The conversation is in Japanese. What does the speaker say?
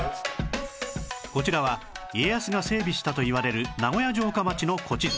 こちらは家康が整備したといわれる名古屋城下町の古地図